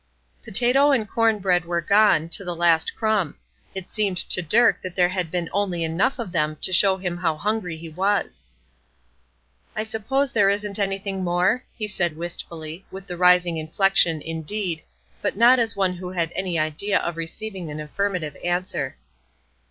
Potato and corn bread were gone, to the last crumb; it seemed to Dirk that there had been only enough of them to show him how hungry he was. "I suppose there isn't anything more?" he said, wistfully, with the rising inflection, indeed, but not as one who had any idea of receiving an affirmative answer.